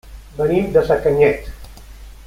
Venim de Sacanyet.